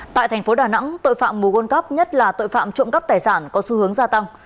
tại thành phố đà nẵng tội phạm mù gôn cắp nhất là tội phạm trộm cắp tài sản có xu hướng gia tăng